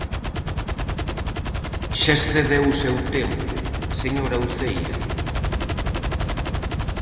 Xa excedeu o seu tempo, señora Uceira.